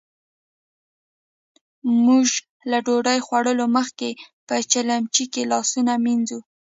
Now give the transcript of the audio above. موژ له ډوډۍ خوړلو مخکې په چیلیمچې کې لاسونه مينځو.